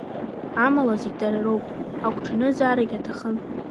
Амала зегь дарароуп агәҽанызаарагь аҭахын.